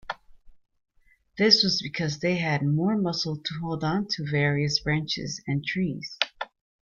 This was because they had more muscle to hold onto various branches and trees.